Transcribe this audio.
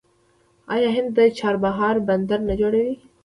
آیا هند د چابهار بندر نه جوړوي؟